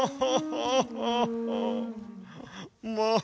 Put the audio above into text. ああ！